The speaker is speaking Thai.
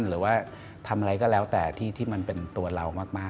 หรือว่าทำอะไรก็แล้วแต่ที่มันเป็นตัวเรามาก